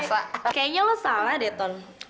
kayaknya lo salah deh ton